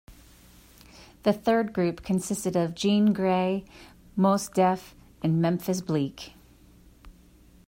The third group consisted of Jean Grae, Mos Def and Memphis Bleek.